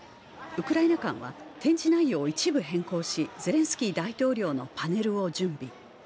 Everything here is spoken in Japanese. ウクライナ館は、展示内容を一部変更しゼレンスキー大統領のパネルを準備。